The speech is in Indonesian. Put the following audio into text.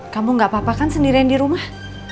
kamu gak apa apa kan sendirian di rumah